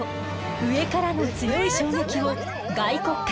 上からの強い衝撃を外骨格